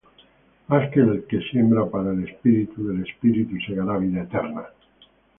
mas el que siembra para el Espíritu, del Espíritu segará vida eterna.